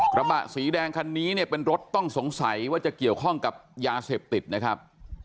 กระบะสีแดงคันนี้เนี่ยเป็นรถต้องสงสัยว่าจะเกี่ยวข้องกับยาเสพติดนะครับ